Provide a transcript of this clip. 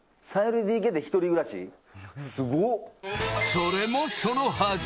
それもそのはず。